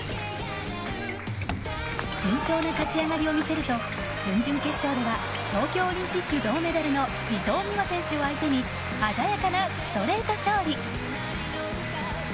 順調な勝ち上がりを見せると準々決勝では東京オリンピック銅メダルの伊藤美誠選手を相手に鮮やかなストレート勝利。